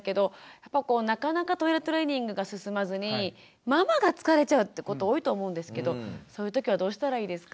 やっぱこうなかなかトイレトレーニングが進まずにママが疲れちゃうってこと多いと思うんですけどそういう時はどうしたらいいですか？